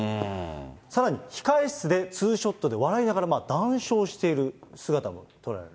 さらに、控え室で２ショットで、笑いながら談笑している姿も捉えられている。